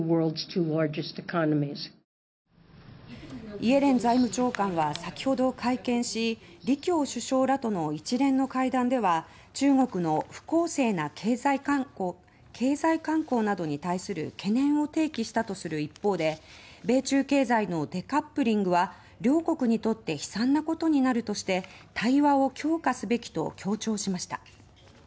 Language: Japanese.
イエレン財務長官は先ほど会見し李強首相らとの一連の会談では中国の不公正な経済慣行などに対する懸念を提起したとする一方で米中経済のデカップリングは両国にとって悲惨なことになるとして対話を強化すべきと強調しました。